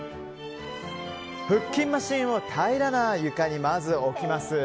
腹筋マシーンを平らな床にまず置きます。